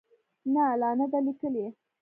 نه، لا نه ده لیکلې